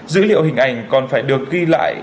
dữ liệu hình ảnh còn phải được ghi lại